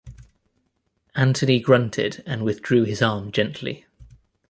Anthony grunted and withdrew his arm gently.